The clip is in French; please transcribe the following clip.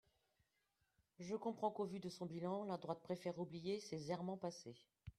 Je comprends qu’au vu de son bilan, la droite préfère oublier ses errements passés.